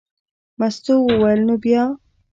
مستو وویل: نو بیا.